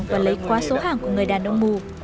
và lấy quá số hàng của người đàn ông mù